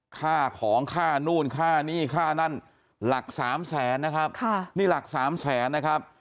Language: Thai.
ค่าของค่านู่นค่านี่ค่านั่นหลักสามแสนนะครับค่ะนี่หลักสามแสนนะครับ